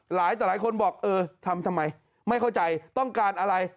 หลายคนบอกทำไมไม่เข้าใจต้องการอะไร